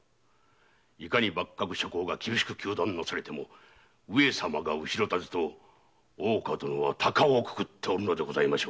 いかに幕閣諸侯が厳しく糾弾なされても「上様が後ろ盾」と大岡殿はタカをくくっておるのでしょう。